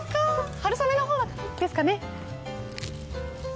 春雨の方ですかね。